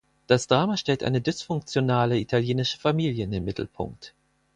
Das Drama stellt eine dysfunktionale italienische Familie in den Mittelpunkt.